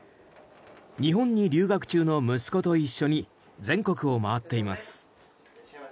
日本に留学中の息子と一緒に全国を回っています。